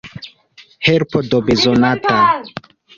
Helpo do bezonata!